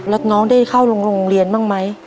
แล้วน้องได้เข้าโรงเรียนบ้างไหม